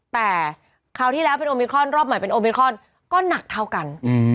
แต่คราวที่แล้วเป็นโอมิครอนรอบใหม่เป็นโอมิครอนก็หนักเท่ากัน